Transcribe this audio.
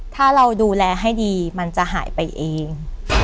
ถ้าเราดูแลให้ดีมันจะหายไปเอง